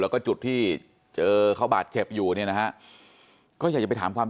แล้วก็จุดที่เจอเขาบาดเจ็บอยู่เนี่ยนะฮะก็อยากจะไปถามความ